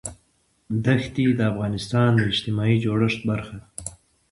دښتې د افغانستان د اجتماعي جوړښت برخه ده.